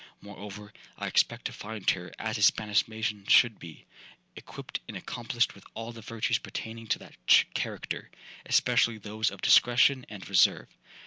Moreover, I expect to find her, as a Spanish maiden should be, equipped and accomplished with all the virtues pertaining to that character, especially those of discretion and reserve.